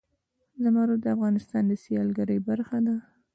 زمرد د افغانستان د سیلګرۍ برخه ده.